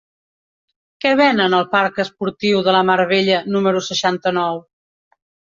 Què venen al parc Esportiu de la Mar Bella número seixanta-nou?